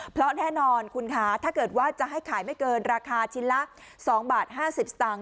เพราะแน่นอนคุณคะถ้าเกิดว่าจะให้ขายไม่เกินราคาชิ้นละ๒บาท๕๐สตางค